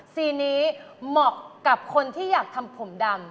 ซีนี้เหมาะกับคนที่อยากทำผมดำ